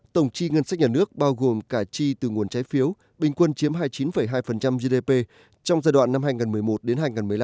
tổng chi ngân sách nhà nước bao gồm cả chi từ nguồn trái phiếu bình quân chiếm hai mươi chín hai gdp trong giai đoạn năm hai nghìn một mươi một đến hai nghìn một mươi năm